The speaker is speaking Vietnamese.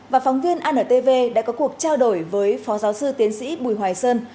và phóng viên antv đã có cuộc trao đổi với phó giáo sư tiến sĩ bùi hoài sơn